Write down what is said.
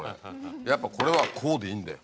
やっぱこれはこうでいいんだよ。